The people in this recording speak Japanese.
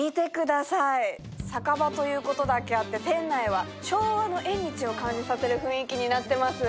見てください、酒場ということだけあって、店内は昭和の縁日を感じさせます。